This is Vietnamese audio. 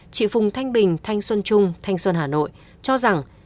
chị phùng thanh bình thanh xuân trung thanh xuân hà nội cho rằng